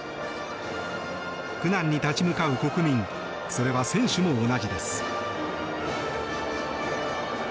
苦難に立ち向かう国民それは選手も同じです。